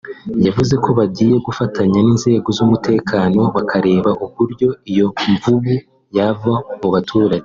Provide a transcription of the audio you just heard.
yavuze ko bagiye gufatanya n’inzego z’umutekano bakareba uburyo iyi mvubu yava mu baturage